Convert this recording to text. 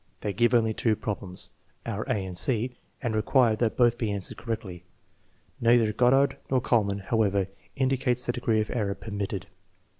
They give only two problems (our a and c) and require that both be answered correctly. Neither Goddard nor Kuhlmann, however, indicates the degree of error per mitted.